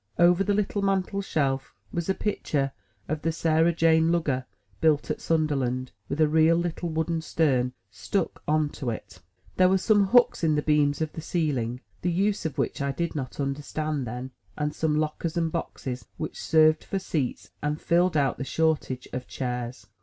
Over the little mantel shelf, was a picture of the Sarah Jane Lugger, built at Sunderland, with a real little wooden stem stuck on to it. There were some hooks in the beams of the ceiling, the 102 THE TREASURE CHEST use of which I did not understand then; and some lockers and boxes, which served for seats, and filled out the shortage of chairs.